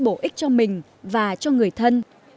bổ ích cho mình và cho người thân